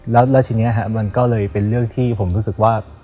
แล้วทีนี้มันก็เลยเป็นเรื่องที่ผมรู้สึกว่า